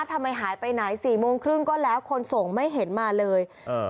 ทำไมหายไปไหนสี่โมงครึ่งก็แล้วคนส่งไม่เห็นมาเลยเออ